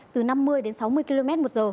từ năm mươi đến sáu mươi km một giờ